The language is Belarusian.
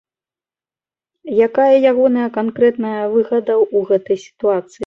Якая ягоная канкрэтная выгада ў гэтай сітуацыі?